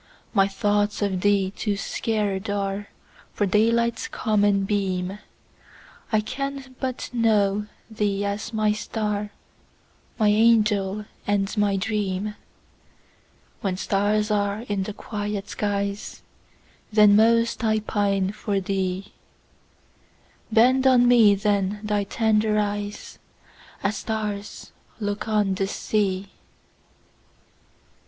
My thoughts of thee too sacred areFor daylight's common beam:I can but know thee as my star, My angel and my dream; When stars are in the quiet skies, Then most I pine for thee; Bend on me then thy tender eyes, As stars look on the sea!